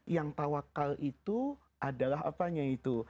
yang tawakal itu adalah apanya itu